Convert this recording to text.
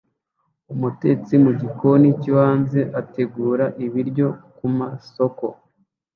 umutetsi mugikoni cyo hanze ategura ibiryo kumasoko